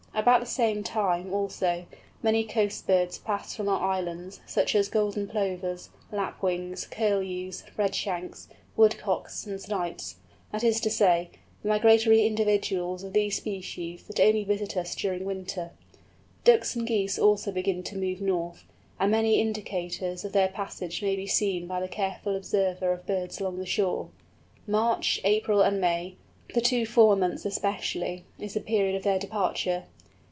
About the same time, also, many coast birds pass from our islands, such as Golden Plovers, Lapwings, Curlews, Redshanks, Woodcocks, and Snipes—that is to say, the migratory individuals of these species that only visit us during winter. Ducks and Geese also begin to move north, and many indications of their passage may be seen by the careful observer of birds along the shore. March, April, and May, the two former months especially, is the period of their departure.